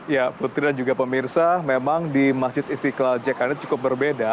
ya putri dan juga pemirsa memang di masjid istiqlal jakarta cukup berbeda